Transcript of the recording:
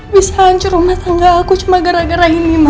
bisa hancur rumah tangga aku cuma gara gara ini mbak